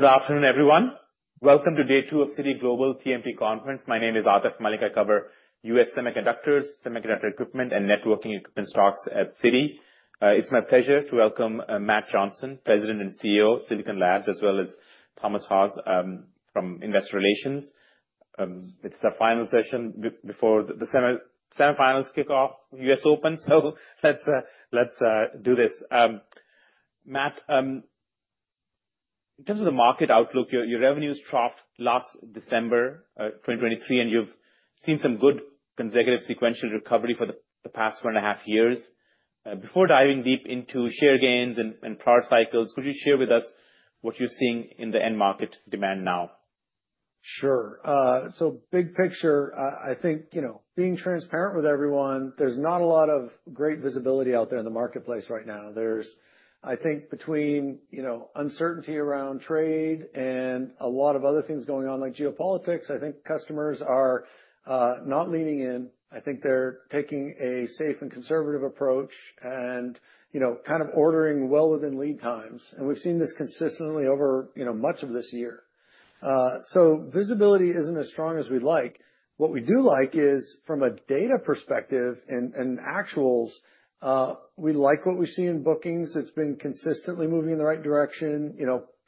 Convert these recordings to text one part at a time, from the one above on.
Good afternoon, everyone. Welcome to Day 2 of Citi Global TMP Conference. My name is Atif. I'm going to cover U.S. semiconductors, semiconductor equipment, and networking equipment stocks at Citi. It's my pleasure to welcome Matt Johnson, President and CEO of Silicon Labs, as well as Thomas Haws from Investor Relations. It's our final session before the semifinals kick off U.S. Open, so let's do this. Matt, in terms of the market outlook, your revenues troughed last December 2023, and you've seen some good consecutive sequential recovery for the past one and a half years. Before diving deep into share gains and prior cycles, could you share with us what you're seeing in the end market demand now? Sure. Big picture, I think being transparent with everyone, there's not a lot of great visibility out there in the marketplace right now. There's, I think, between uncertainty around trade and a lot of other things going on like geopolitics, I think customers are not leaning in. I think they're taking a safe and conservative approach and kind of ordering well within lead times. We've seen this consistently over much of this year. Visibility isn't as strong as we'd like. What we do like is, from a data perspective and actuals, we like what we see in bookings. It's been consistently moving in the right direction,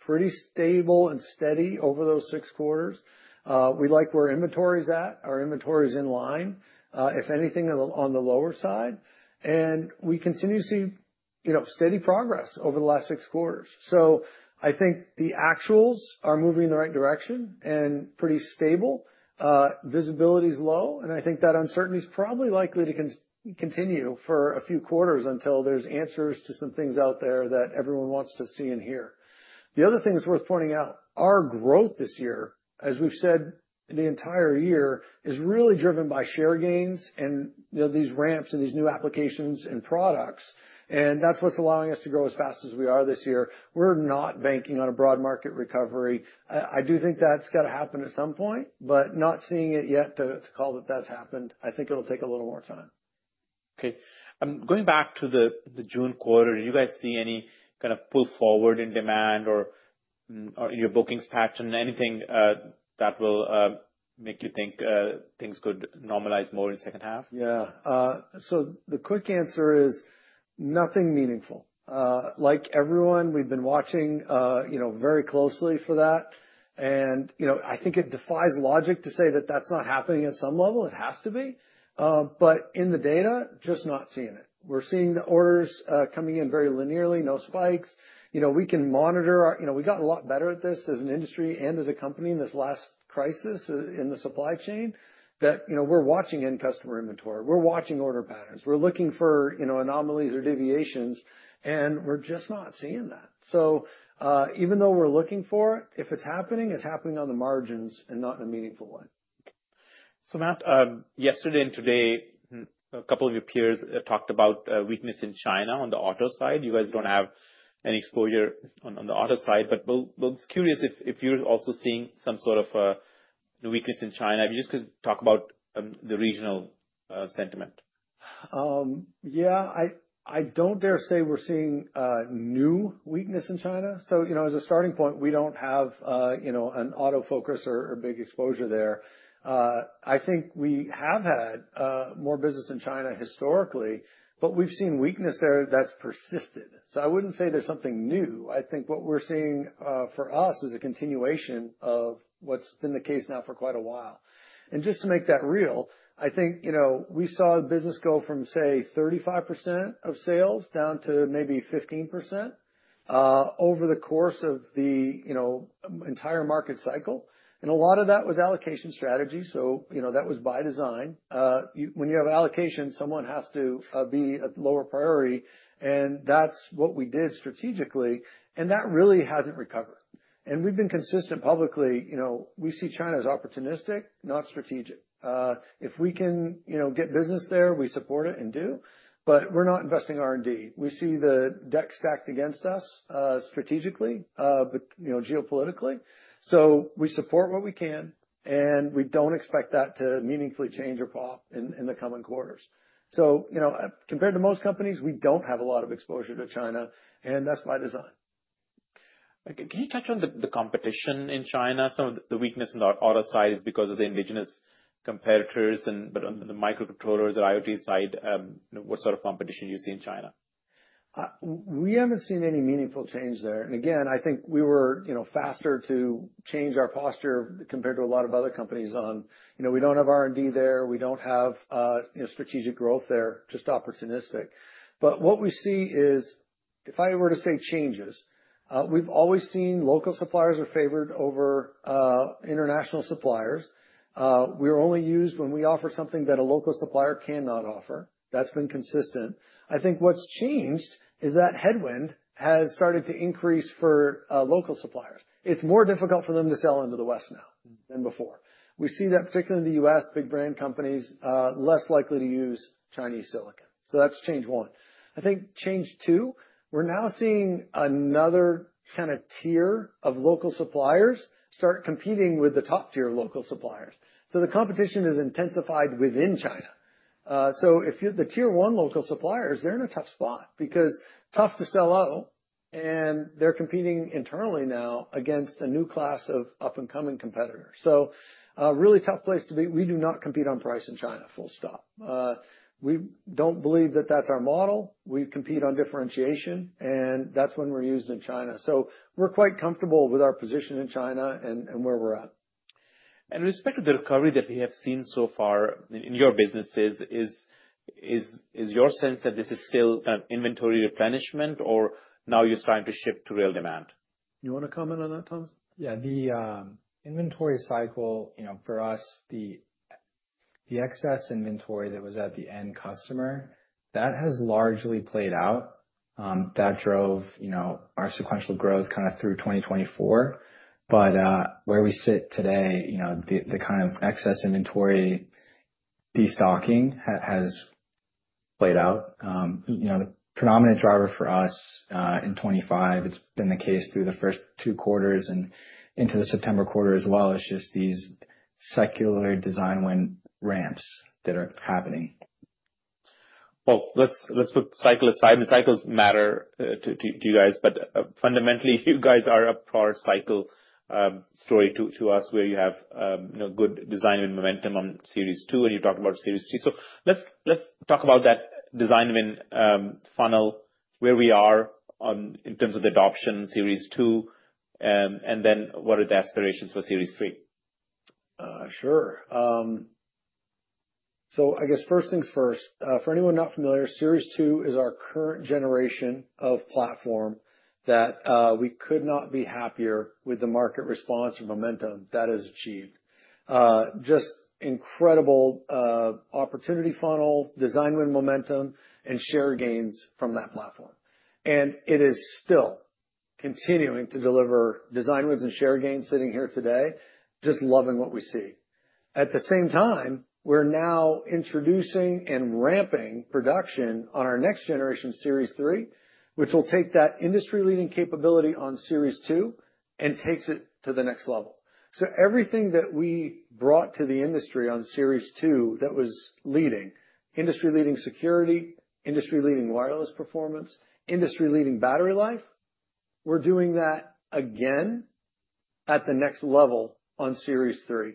pretty stable and steady over those six quarters. We like where inventory's at. Our inventory's in line, if anything, on the lower side. We continue to see steady progress over the last six quarters. I think the actuals are moving in the right direction and pretty stable. Visibility's low. I think that uncertainty's probably likely to continue for a few quarters until there's answers to some things out there that everyone wants to see and hear. The other thing that's worth pointing out, our growth this year, as we've said the entire year, is really driven by share gains and these ramps and these new applications and products. That's what's allowing us to grow as fast as we are this year. We're not banking on a broad market recovery. I do think that's got to happen at some point, but not seeing it yet to call that that's happened. I think it'll take a little more time. Okay. Going back to the June quarter, did you guys see any kind of pull forward in demand or in your bookings pattern, anything that will make you think things could normalize more in the second half? Yeah. The quick answer is nothing meaningful. Like everyone, we've been watching very closely for that. I think it defies logic to say that that's not happening at some level. It has to be. In the data, just not seeing it. We're seeing the orders coming in very linearly, no spikes. We can monitor our we got a lot better at this as an industry and as a company in this last crisis in the supply chain. We're watching end customer inventory. We're watching order patterns. We're looking for anomalies or deviations. We're just not seeing that. Even though we're looking for it, if it's happening, it's happening on the margins and not in a meaningful way. Matt, yesterday and today, a couple of your peers talked about weakness in China on the auto side. You guys do not have any exposure on the auto side. I am curious if you are also seeing some sort of weakness in China. If you just could talk about the regional sentiment. Yeah. I don't dare say we're seeing new weakness in China. As a starting point, we don't have an auto focus or big exposure there. I think we have had more business in China historically, but we've seen weakness there that's persisted. I wouldn't say there's something new. I think what we're seeing for us is a continuation of what's been the case now for quite a while. Just to make that real, I think we saw business go from, say, 35% of sales down to maybe 15% over the course of the entire market cycle. A lot of that was allocation strategy. That was by design. When you have allocation, someone has to be a lower priority. That's what we did strategically. That really hasn't recovered. We've been consistent publicly. We see China as opportunistic, not strategic. If we can get business there, we support it and do. We are not investing R&D. We see the deck stacked against us strategically, geopolitically. We support what we can. We do not expect that to meaningfully change or pop in the coming quarters. Compared to most companies, we do not have a lot of exposure to China. That is by design. Can you touch on the competition in China? Some of the weakness in the auto side is because of the indigenous competitors and the microcontrollers or IoT side. What sort of competition do you see in China? We haven't seen any meaningful change there. Again, I think we were faster to change our posture compared to a lot of other companies on, we don't have R&D there. We don't have strategic growth there. Just opportunistic. What we see is, if I were to say changes, we've always seen local suppliers are favored over international suppliers. We're only used when we offer something that a local supplier cannot offer. That's been consistent. I think what's changed is that headwind has started to increase for local suppliers. It's more difficult for them to sell into the West now than before. We see that particularly in the U.S., big brand companies less likely to use Chinese silicon. That's change one. I think change two, we're now seeing another kind of tier of local suppliers start competing with the top tier of local suppliers. The competition is intensified within China. The tier one local suppliers, they're in a tough spot because tough to sell out. They're competing internally now against a new class of up-and-coming competitors. Really tough place to be. We do not compete on price in China, full stop. We don't believe that that's our model. We compete on differentiation. That's when we're used in China. We're quite comfortable with our position in China and where we're at. With respect to the recovery that we have seen so far in your businesses, is your sense that this is still kind of inventory replenishment or now you're starting to shift to real demand? You want to comment on that, Thomas? Yeah. The inventory cycle for us, the excess inventory that was at the end customer, that has largely played out. That drove our sequential growth kind of through 2024. Where we sit today, the kind of excess inventory destocking has played out. The predominant driver for us in 2025, it's been the case through the first two quarters and into the September quarter as well. It's just these secular design win ramps that are happening. Let's put cycle aside. The cycles matter to you guys. Fundamentally, you guys are a prior cycle story to us where you have good design win momentum on Series 2 and you talked about Series 3. Let's talk about that design win funnel, where we are in terms of adoption, Series 2, and then what are the aspirations for Series 3? Sure. I guess first things first. For anyone not familiar, Series 2 is our current generation of platform that we could not be happier with the market response or momentum that has achieved. Just incredible opportunity funnel, design win momentum, and share gains from that platform. It is still continuing to deliver design wins and share gains sitting here today, just loving what we see. At the same time, we're now introducing and ramping production on our next generation Series 3, which will take that industry-leading capability on Series 2 and takes it to the next level. Everything that we brought to the industry on Series 2 that was leading, industry-leading security, industry-leading wireless performance, industry-leading battery life, we're doing that again at the next level on Series 3.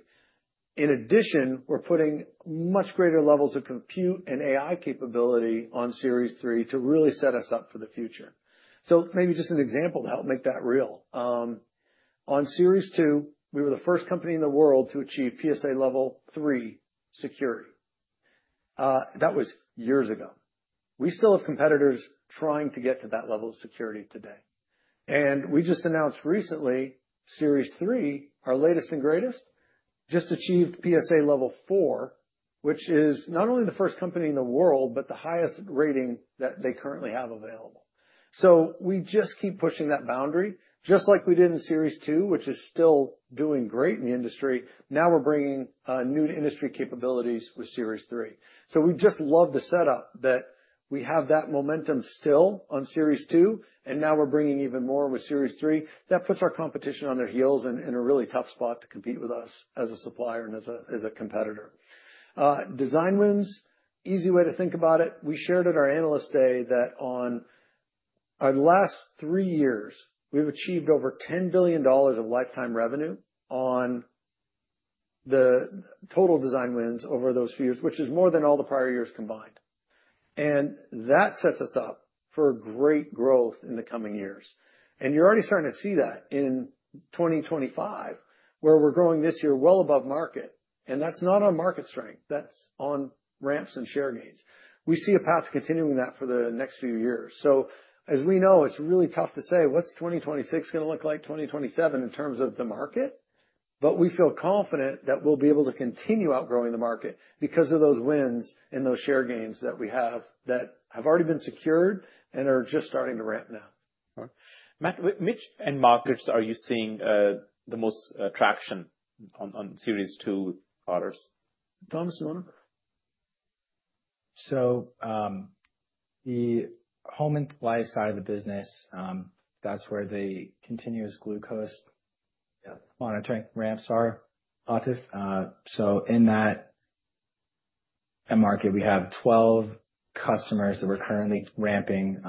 In addition, we're putting much greater levels of compute and AI capability on Series 3 to really set us up for the future. Maybe just an example to help make that real. On Series 2, we were the first company in the world to achieve PSA level 3 security. That was years ago. We still have competitors trying to get to that level of security today. We just announced recently Series 3, our latest and greatest, just achieved PSA level 4, which is not only the first company in the world, but the highest rating that they currently have available. We just keep pushing that boundary. Just like we did in Series 2, which is still doing great in the industry, now we're bringing new industry capabilities with Series 3. We just love the setup that we have, that momentum still on Series 2, and now we're bringing even more with Series 3. That puts our competition on their heels in a really tough spot to compete with us as a supplier and as a competitor. Design wins, easy way to think about it. We shared at our analyst day that in our last three years, we've achieved over $10 billion of lifetime revenue on the total design wins over those few years, which is more than all the prior years combined. That sets us up for great growth in the coming years. You're already starting to see that in 2025, where we're growing this year well above market. That's not on market strength. That's on ramps and share gains. We see a path to continuing that for the next few years. As we know, it's really tough to say what 2026 is going to look like, 2027 in terms of the market. We feel confident that we'll be able to continue outgrowing the market because of those wins and those share gains that we have that have already been secured and are just starting to ramp now. Matt, which end markets are you seeing the most traction on Series 2 orders? Thomas, do you want to? The Holman supply side of the business, that's where the continuous glucose monitoring ramps are active. In that end market, we have 12 customers that we're currently ramping.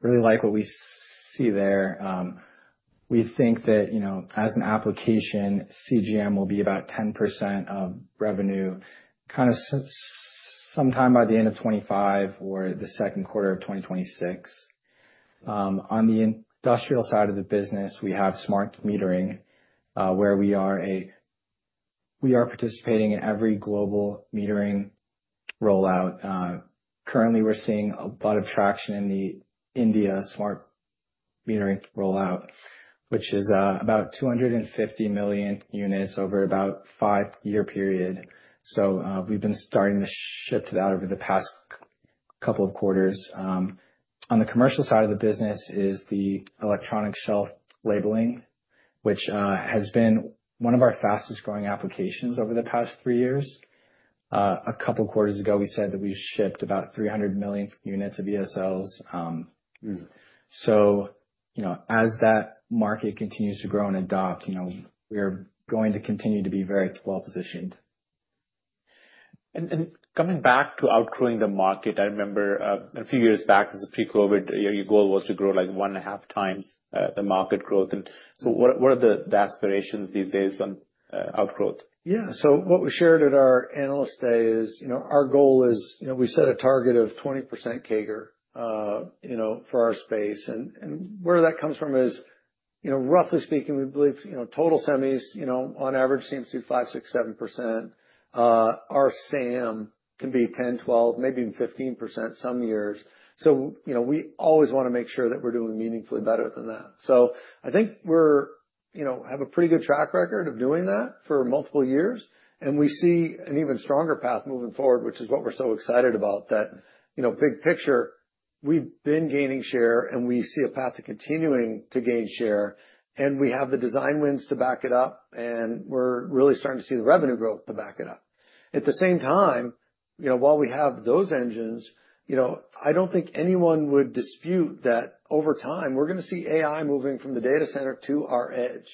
Really like what we see there. We think that as an application, CGM will be about 10% of revenue kind of sometime by the end of 2025 or the second quarter of 2026. On the industrial side of the business, we have smart metering where we are participating in every global metering rollout. Currently, we're seeing a lot of traction in the India smart metering rollout, which is about 250 million units over about a five-year period. We've been starting to shift that over the past couple of quarters. On the commercial side of the business is the electronic shelf labeling, which has been one of our fastest-growing applications over the past three years. A couple of quarters ago, we said that we shipped about 300 million units of ESLs. As that market continues to grow and adopt, we're going to continue to be very well positioned. Coming back to outgrowing the market, I remember a few years back, this is pre-COVID, your goal was to grow like one and a half times the market growth. What are the aspirations these days on outgrowth? Yeah. What we shared at our analyst day is our goal is we set a target of 20% CAGR for our space. Where that comes from is, roughly speaking, we believe total semis on average seems to be 5-7%. Our SAM can be 10-12%, maybe even 15% some years. We always want to make sure that we're doing meaningfully better than that. I think we have a pretty good track record of doing that for multiple years. We see an even stronger path moving forward, which is what we're so excited about, that big picture, we've been gaining share and we see a path to continuing to gain share. We have the design wins to back it up. We're really starting to see the revenue growth to back it up. At the same time, while we have those engines, I don't think anyone would dispute that over time, we're going to see AI moving from the data center to our edge.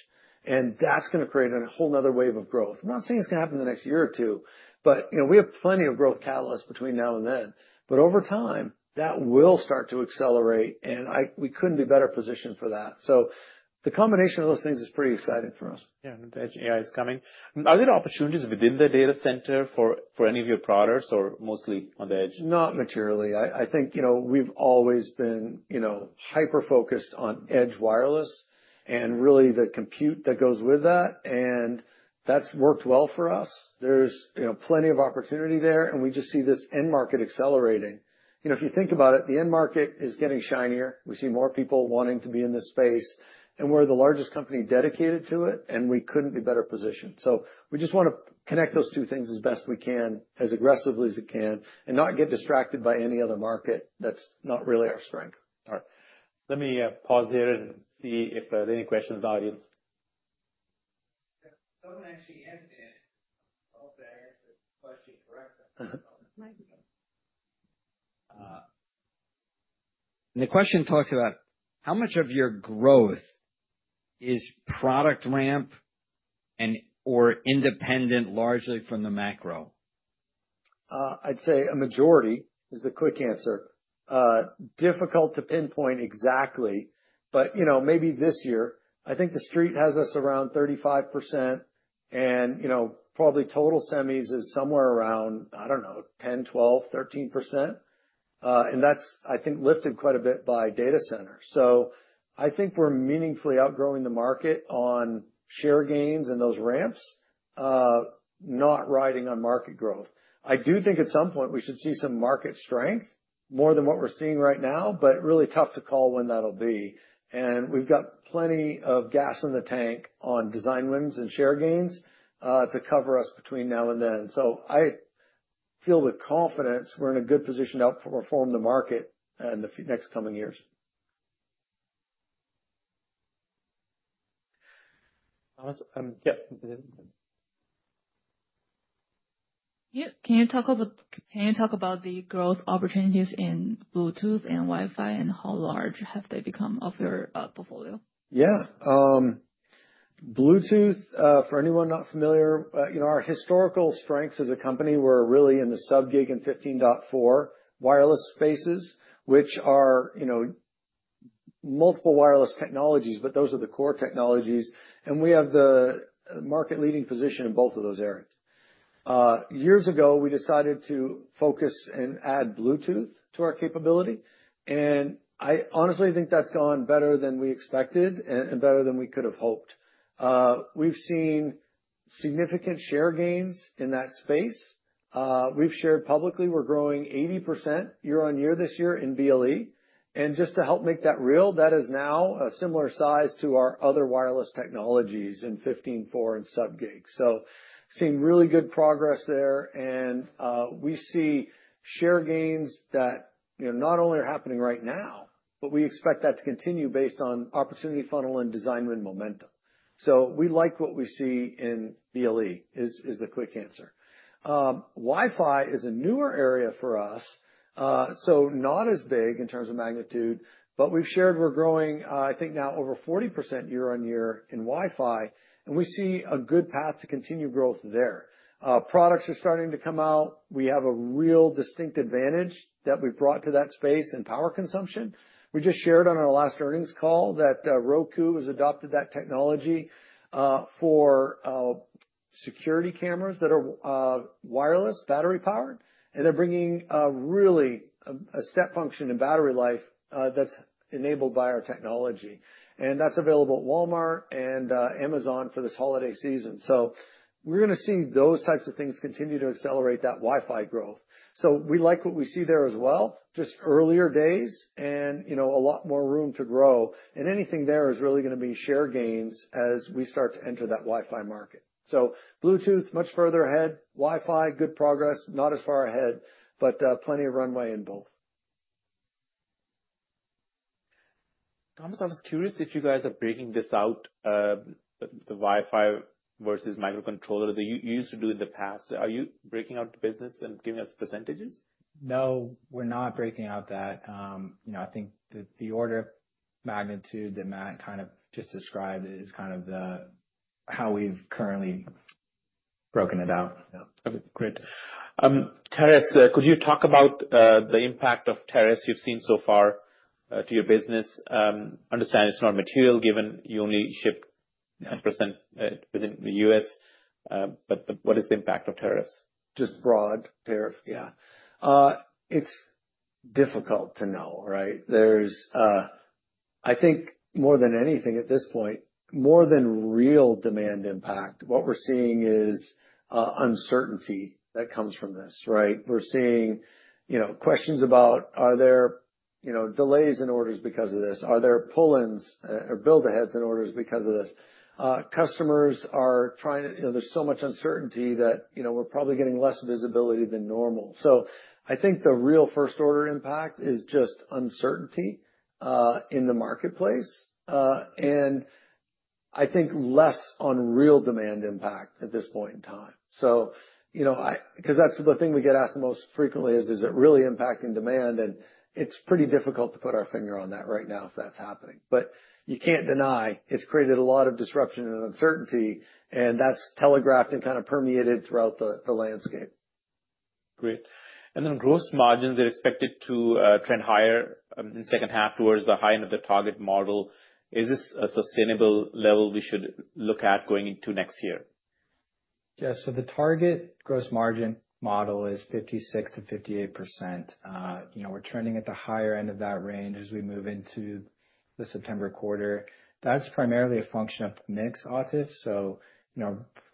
That's going to create a whole nother wave of growth. I'm not saying it's going to happen in the next year or two, but we have plenty of growth catalysts between now and then. Over time, that will start to accelerate. We couldn't be better positioned for that. The combination of those things is pretty exciting for us. Yeah. The edge AI is coming. Are there opportunities within the data center for any of your products or mostly on the edge? Not materially. I think we've always been hyper-focused on edge wireless and really the compute that goes with that. That's worked well for us. There's plenty of opportunity there. We just see this end market accelerating. If you think about it, the end market is getting shinier. We see more people wanting to be in this space. We're the largest company dedicated to it. We couldn't be better positioned. We just want to connect those two things as best we can, as aggressively as we can, and not get distracted by any other market that's not really our strength. All right. Let me pause here and see if there are any questions in the audience. I don't actually answer that. I hope that answered the question correctly. The question talks about how much of your growth is product ramp and/or independent largely from the macro? I'd say a majority is the quick answer. Difficult to pinpoint exactly, but maybe this year, I think the street has us around 35%. Probably total semis is somewhere around, I don't know, 10-13%. That's, I think, lifted quite a bit by data center. I think we're meaningfully outgrowing the market on share gains and those ramps, not riding on market growth. I do think at some point we should see some market strength more than what we're seeing right now, but really tough to call when that'll be. We've got plenty of gas in the tank on design wins and share gains to cover us between now and then. I feel with confidence we're in a good position to outperform the market in the next coming years. Thomas, yeah. Can you talk about the growth opportunities in Bluetooth and Wi-Fi and how large have they become of your portfolio? Yeah. Bluetooth, for anyone not familiar, our historical strengths as a company were really in the sub-gig and 802.15.4 wireless spaces, which are multiple wireless technologies, but those are the core technologies. We have the market-leading position in both of those areas. Years ago, we decided to focus and add Bluetooth to our capability. I honestly think that's gone better than we expected and better than we could have hoped. We've seen significant share gains in that space. We've shared publicly. We're growing 80% year on year this year in BLE. Just to help make that real, that is now a similar size to our other wireless technologies in 802.15.4 and sub-gig. Seeing really good progress there. We see share gains that not only are happening right now, but we expect that to continue based on opportunity funnel and design win momentum. We like what we see in BLE is the quick answer. Wi-Fi is a newer area for us, so not as big in terms of magnitude, but we've shared we're growing, I think now over 40% year on year in Wi-Fi. We see a good path to continue growth there. Products are starting to come out. We have a real distinct advantage that we've brought to that space in power consumption. We just shared on our last earnings call that Roku has adopted that technology for security cameras that are wireless, battery powered. They're bringing really a step function in battery life that's enabled by our technology. That's available at Walmart and Amazon for this holiday season. We're going to see those types of things continue to accelerate that Wi-Fi growth. We like what we see there as well, just earlier days and a lot more room to grow. Anything there is really going to be share gains as we start to enter that Wi-Fi market. Bluetooth much further ahead, Wi-Fi good progress, not as far ahead, but plenty of runway in both. Thomas, I was curious if you guys are breaking this out, the Wi-Fi versus microcontroller that you used to do in the past. Are you breaking out the business and giving us percentages? No, we're not breaking out that. I think the order of magnitude that Matt kind of just described is kind of how we've currently broken it out. Okay. Great. Tariffs, could you talk about the impact of tariffs you've seen so far to your business? Understand it's not material, given you only ship 10% within the U.S., What is the impact of tariffs? Just broad tariffs, yeah. It's difficult to know, right? I think more than anything at this point, more than real demand impact, what we're seeing is uncertainty that comes from this, right? We're seeing questions about, are there delays in orders because of this? Are there pull-ins or build-aheads in orders because of this? Customers are trying to, there's so much uncertainty that we're probably getting less visibility than normal. I think the real first-order impact is just uncertainty in the marketplace. I think less on real demand impact at this point in time. Because that's the thing we get asked the most frequently is, is it really impacting demand? It's pretty difficult to put our finger on that right now if that's happening. You can't deny it's created a lot of disruption and uncertainty. That's telegraphed and kind of permeated throughout the landscape. Great. Gross margins, they're expected to trend higher in the second half towards the high end of the target model. Is this a sustainable level we should look at going into next year? Yeah. So the target gross margin model is 56-58%. We're trending at the higher end of that range as we move into the September quarter. That's primarily a function of mixed OTIF.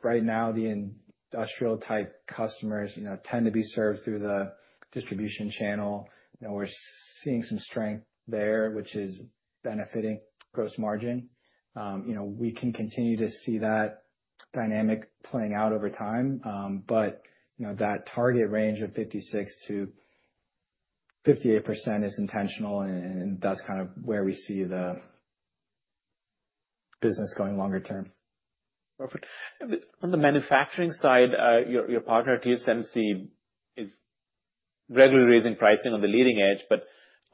Right now, the industrial-type customers tend to be served through the distribution channel. We're seeing some strength there, which is benefiting gross margin. We can continue to see that dynamic playing out over time. That target range of 56-58% is intentional. That's kind of where we see the business going longer term. Perfect. On the manufacturing side, your partner, TSMC, is regularly raising pricing on the leading edge.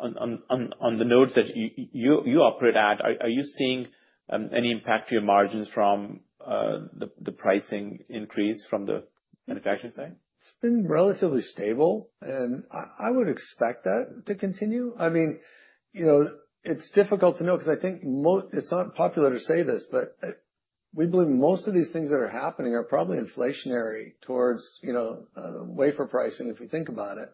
On the nodes that you operate at, are you seeing any impact to your margins from the pricing increase from the manufacturing side? It's been relatively stable. I would expect that to continue. I mean, it's difficult to know because I think it's not popular to say this, but we believe most of these things that are happening are probably inflationary towards wafer pricing if we think about it.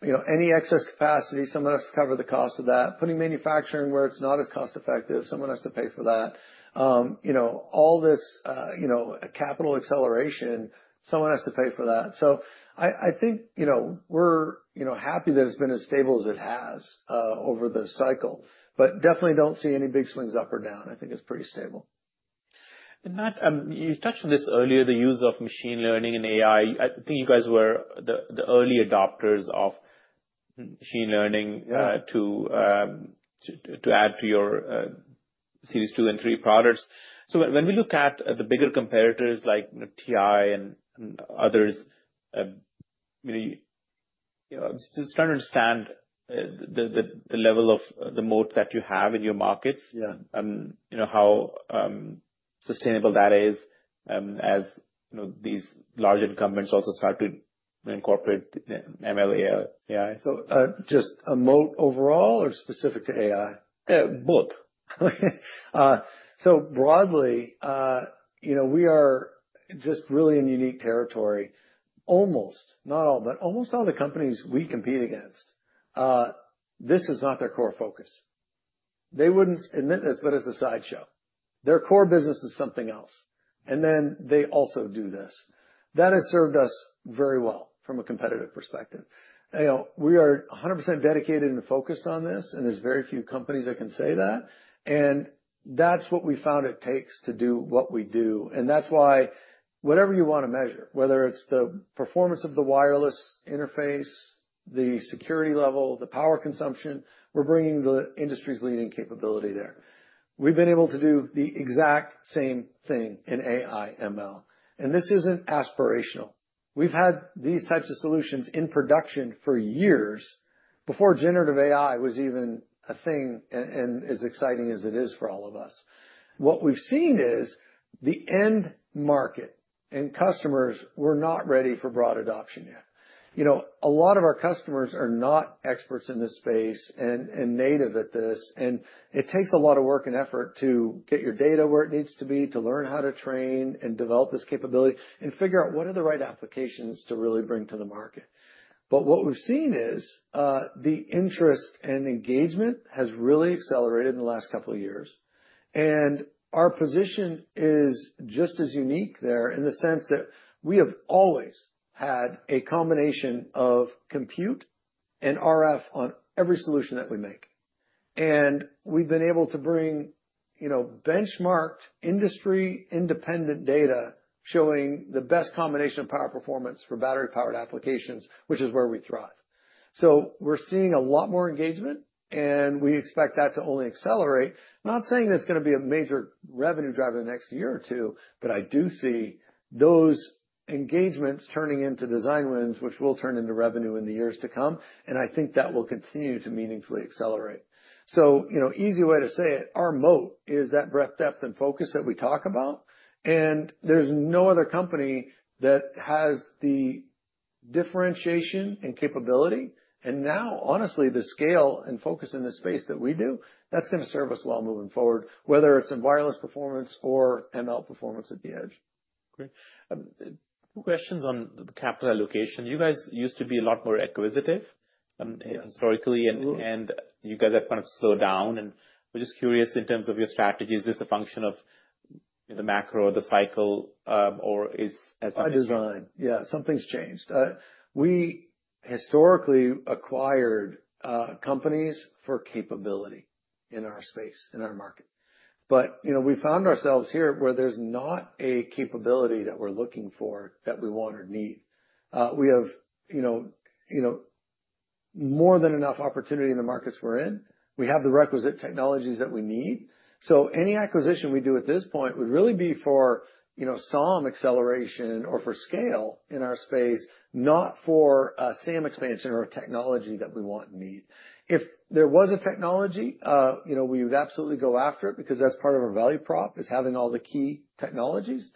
Any excess capacity, someone has to cover the cost of that. Putting manufacturing where it's not as cost-effective, someone has to pay for that. All this capital acceleration, someone has to pay for that. I think we're happy that it's been as stable as it has over the cycle. I definitely don't see any big swings up or down. I think it's pretty stable. Matt, you touched on this earlier, the use of machine learning and AI. I think you guys were the early adopters of machine learning to add to your Series 2 and 3 products. When we look at the bigger competitors like TI and others, just trying to understand the level of the moat that you have in your markets, how sustainable that is as these large incumbents also start to incorporate ML/AI. Just a moat overall or specific to AI? Both. Broadly, we are just really in unique territory. Almost, not all, but almost all the companies we compete against, this is not their core focus. They would not admit this, but it is a sideshow. Their core business is something else. And then they also do this. That has served us very well from a competitive perspective. We are 100% dedicated and focused on this. There are very few companies that can say that. That is what we found it takes to do what we do. That is why whatever you want to measure, whether it is the performance of the wireless interface, the security level, the power consumption, we are bringing the industry's leading capability there. We have been able to do the exact same thing in AI/ML. This is not aspirational. We've had these types of solutions in production for years before generative AI was even a thing, and as exciting as it is for all of us, what we've seen is the end market and customers were not ready for broad adoption yet. A lot of our customers are not experts in this space and native at this. It takes a lot of work and effort to get your data where it needs to be, to learn how to train and develop this capability, and figure out what are the right applications to really bring to the market. What we've seen is the interest and engagement has really accelerated in the last couple of years. Our position is just as unique there in the sense that we have always had a combination of compute and RF on every solution that we make. We have been able to bring benchmarked industry-independent data showing the best combination of power performance for battery-powered applications, which is where we thrive. We are seeing a lot more engagement. We expect that to only accelerate. Not saying that is going to be a major revenue driver in the next year or two, but I do see those engagements turning into design wins, which will turn into revenue in the years to come. I think that will continue to meaningfully accelerate. An easy way to say it, our moat is that breadth, depth, and focus that we talk about. There is no other company that has the differentiation and capability. Now, honestly, the scale and focus in the space that we do, that is going to serve us well moving forward, whether it is in wireless performance or ML performance at the edge. Great. Questions on the capital allocation. You guys used to be a lot more acquisitive historically. You guys have kind of slowed down. We're just curious in terms of your strategy. Is this a function of the macro or the cycle, or is it something? By design. Yeah, something's changed. We historically acquired companies for capability in our space, in our market. We found ourselves here where there's not a capability that we're looking for that we want or need. We have more than enough opportunity in the markets we're in. We have the requisite technologies that we need. Any acquisition we do at this point would really be for some acceleration or for scale in our space, not for a SAM expansion or a technology that we want and need. If there was a technology, we would absolutely go after it because that's part of our value prop is having all the key technologies.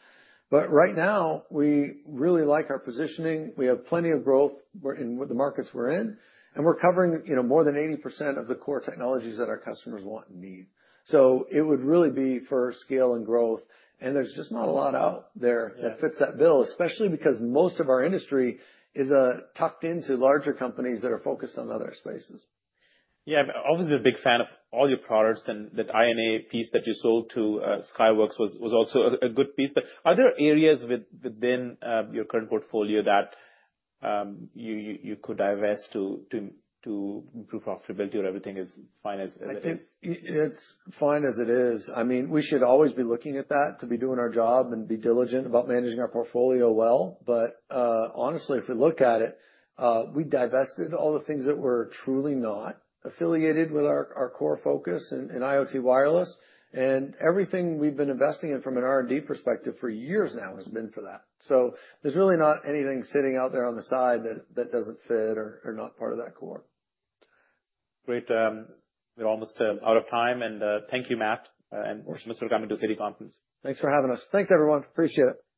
Right now, we really like our positioning. We have plenty of growth in the markets we're in. We're covering more than 80% of the core technologies that our customers want and need. It would really be for scale and growth. There is just not a lot out there that fits that bill, especially because most of our industry is tucked into larger companies that are focused on other spaces. Yeah. I'm obviously a big fan of all your products. And that INA piece that you sold to Skyworks was also a good piece. Are there areas within your current portfolio that you could divest to improve profitability or everything is fine as it is? It's fine as it is. I mean, we should always be looking at that to be doing our job and be diligent about managing our portfolio well. Honestly, if we look at it, we divested all the things that were truly not affiliated with our core focus in IoT wireless. Everything we've been investing in from an R&D perspective for years now has been for that. There's really not anything sitting out there on the side that doesn't fit or is not part of that core. Great. We're almost out of time. And thank you, Matt, and Mr. Gammon to Citi Conference. Thanks for having us. Thanks, everyone. Appreciate it.